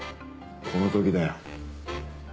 この時だよ。